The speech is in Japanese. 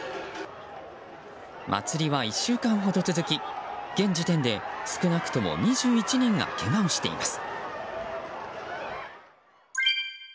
祭りは１週間ほど続き現時点で少なくとも２１人がけがをしています。